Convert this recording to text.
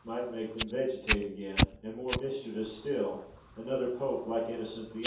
might make them vegetate again; and, more mischievous still, another pope like Innocent VIII.